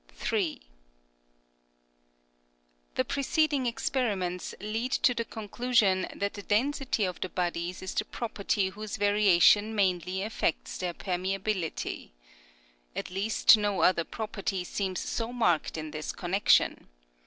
3. The preceding experiments lead to the conclusion that the density of the bodies is the property whose variation mainly affects their permeability. At least no other property seems so marked in this con nection.